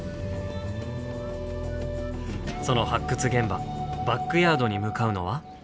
その発掘現場バックヤードに向かうのは。